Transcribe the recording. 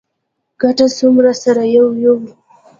ګڼه څومره سره یو یو.